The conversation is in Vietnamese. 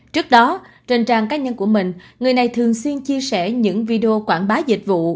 trước đó trên trang cá nhân của mình người này thường xuyên chia sẻ những video quảng bá dịch vụ